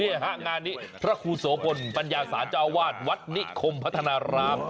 นี่ฮะงานนี้พระครูโสพลปัญญาสารเจ้าวาดวัดนิคมพัฒนาราม